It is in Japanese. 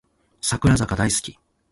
櫻坂大好き